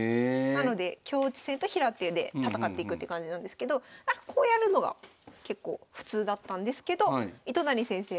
なので香落ち戦と平手で戦っていくって感じなんですけどこうやるのが結構普通だったんですけど糸谷先生